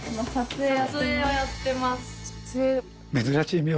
撮影をやってます。